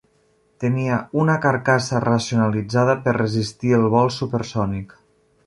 Tenia una carcassa racionalitzada per resistir el vol supersònic.